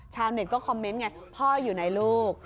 ชาวเน็ตก็คอมเมนต์ไงพ่ออยู่ไหนลูก